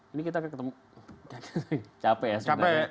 ini kita ketemu capek ya sebenarnya